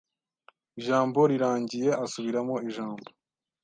Ijambo rirangiye asubiramo ijambo.